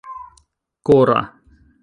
kora